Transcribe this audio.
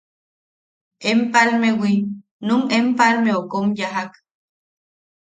Empalmewi, num Empalmeu kom yajak.